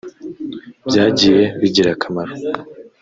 byagiye bigira akamaro